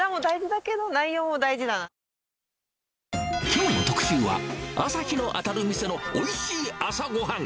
きょうの特集は、朝日の当たる店のおいしい朝ごはん。